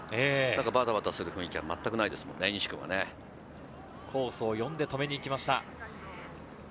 バタバタする雰囲気はまったくないですもんね、西君は。コースを読んで止めにいきました。